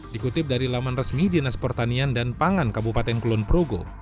dikutip dari laman resmi dinas pertanian dan pangan kabupaten kulon progo